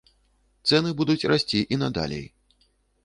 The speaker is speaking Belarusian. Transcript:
Цэны будуць расці і надалей.